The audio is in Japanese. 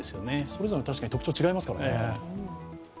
それぞれに確かに特徴違いますからね。